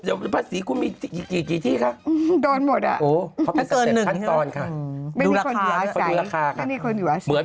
เดี๋ยวภาษีคู่มีกี่ที่คะโอ้โดนหมด